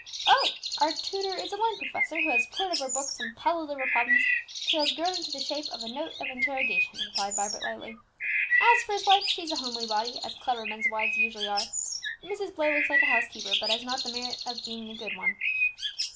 "Oh, our tutor is a learned professor, who has pored over books, and puzzled over problems, till he has grown into the shape of a note of interrogation," replied Vibert lightly. "As for his wife, she's a homely body, as clever men's wives usually are; Mrs. Blair looks like a housekeeper, but has not the merit of being a good one."